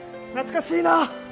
懐かしいな。